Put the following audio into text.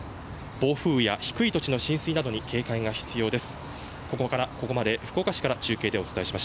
暴風や低い土地の浸水などに警戒が必要です。